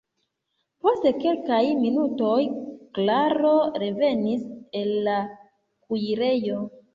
Post kelkaj minutoj Klaro revenis el la kuirejo.